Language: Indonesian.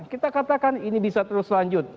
kita katakan ini bisa terus lanjut